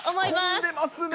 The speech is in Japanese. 仕込んでますね。